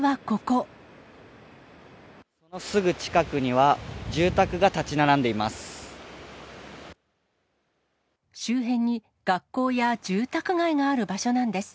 すぐ近くには、住宅が建ち並んでいます。